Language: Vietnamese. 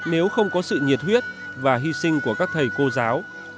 nếu không có sự nhiệt huyết và hy sinh của các thầy cô giáo